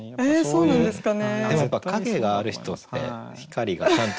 そうなんですかね。